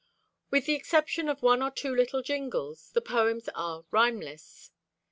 With the exception of one or two little jingles, the poems are rhymeless.